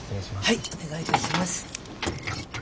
はいお願いいたします。